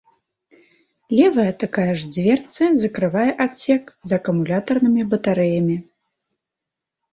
Левая такая ж дзверцы закрывае адсек з акумулятарнымі батарэямі.